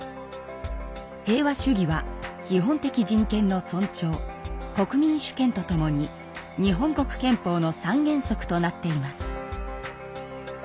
平和主義は「基本的人権の尊重」「国民主権」とともに日本国憲法の三原則となっています。